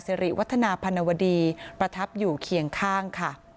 สิริวัฒนาพันวดีประทับอยู่เคียงข้างค่ะ